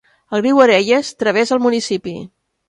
El riu Areias travessa el municipi.